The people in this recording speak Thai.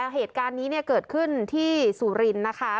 เหตุการณ์นี้เกิดขึ้นที่สุรินทร์นะคะ